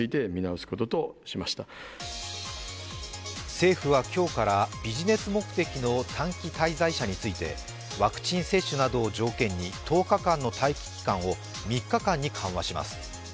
政府は今日からビジネス目的の短期滞在者についてワクチン接種などを条件に１０日間の待機期間を３日間に緩和します。